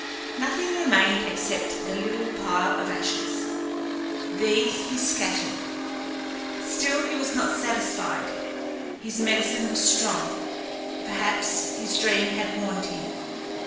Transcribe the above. Nothing remained except the little pile of ashes. These he scattered. Still he was not satisfied. His medicine was strong; perhaps his dream had warned him.